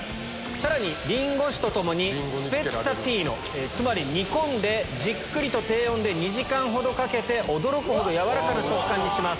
さらにリンゴ酒と共にスペッツァティーノつまり煮込んでじっくりと低温で２時間ほどかけて驚くほど軟らかな食感にします。